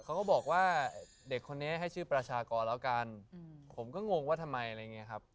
เขาก็บอกว่าเด็กคนนี้ให้ชื่อประชากรแล้วกันผมก็งงว่าทำไมอะไรอย่างนี้ครับ